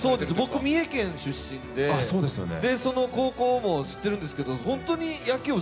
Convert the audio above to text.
僕、三重県出身で、その高校も知ってるんですけど、本当に野球部